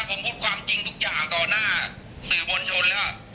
ผมพูดความจริงทุกอย่างต่อหน้าสื่อมวลชนแล้ว